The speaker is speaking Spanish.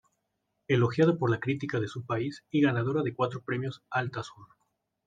Elogiada por la crítica de su país y ganadora de cuatro premios Altazor.